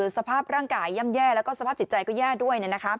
สภาพร่างกายย่ำแย่และสภาพสิทธิ์ใจแย่ด้วย